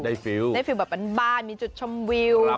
ได้ฟรีลแบบเป็นบ้านมีจุดช้ำวิว